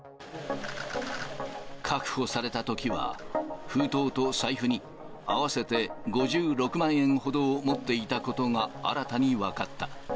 確保されたときは、封筒と財布に合わせて５６万円ほどを持っていたことが新たに分かった。